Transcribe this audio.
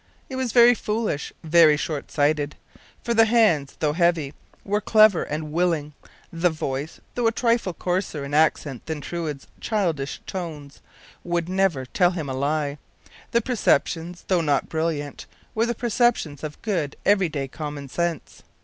It was very foolish, very short sighted; for the hands, though heavy, were clever and willing; the voice, though a trifle coarser in accent than Truide’s childish tones, would never tell him a lie; the perceptions, though not brilliant, were the perceptions of good, every day common sense.